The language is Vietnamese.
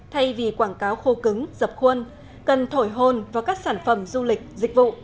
thay vì quảng cáo khô cứng dập khuôn cần thổi hồn vào các sản phẩm du lịch dịch vụ